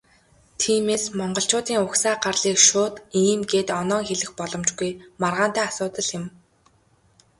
Тиймээс, монголчуудын угсаа гарлыг шууд "ийм" гээд оноон хэлэх боломжгүй, маргаантай асуудал юм.